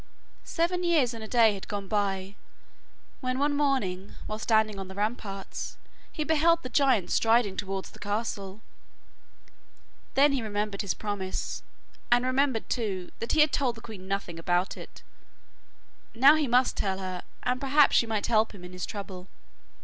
Seven years and a day had gone by, when one morning, while standing on the ramparts, he beheld the giant striding towards the castle. Then he remembered his promise, and remembered, too, that he had told the queen nothing about it. Now he must tell her, and perhaps she might help him in his trouble.